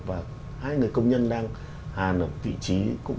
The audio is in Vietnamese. và hai người công nhân đang hàn vị trí